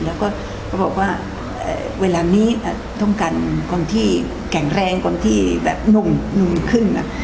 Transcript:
พอบอกว่าเวลานี้ทดมงานคนที่แข็งแรงคนที่แบบหนุ่มหนุ่มขึ้น